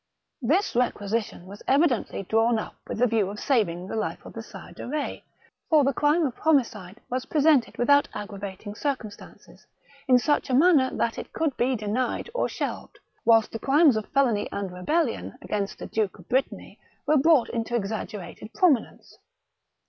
This requisition was evidently drawn up with the view of saving the life of the Sire de Eetz ; for the crime of homicide was presented without aggravating circumstances, in such a manner that it could be denied or shelved, whilst the crimes of felony and rebellion THE MARECHAL DE RETZ. 213 against the Duke of Brittany were brought into exag gerated prominence.